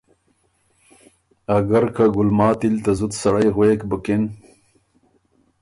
اګر که ګلماتی ل ته زُت سړئ غوېک بُکِن